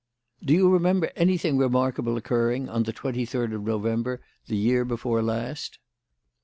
"Do you remember anything remarkable occurring on the twenty third of November the year before last?"